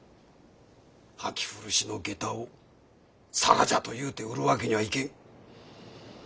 履き古しの下駄をサラじゃと言うて売るわけにはいけん。